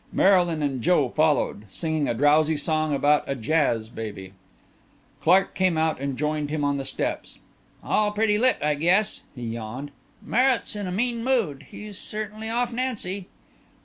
Marylyn and Joe followed, singing a drowsy song about a Jazz baby. Clark came out and joined Jim on the steps. "All pretty lit, I guess," he yawned. "Merritt's in a mean mood. He's certainly off Nancy."